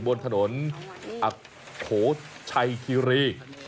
บนถนนอักโขชัยคิรี